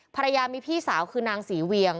ภรรยามีพี่สาวคือนางศรีเวียง